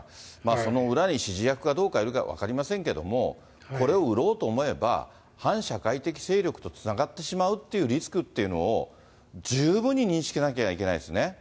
その裏に指示役かどうかいるか分かりませんけども、これを売ろうと思えば、反社会的勢力とつながってしまうというリスクっていうのを、十分に認識しなきゃいけないですね。